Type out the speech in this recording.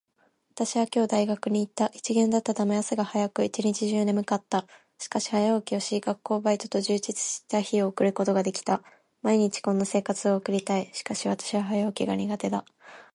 私は今日大学に行った。一限だったため、朝が早く、一日中眠たかった。しかし、早起きをし、学校、バイトと充実した日を送ることができた。毎日こんな生活を送りたい。しかし私は早起きが苦手だ。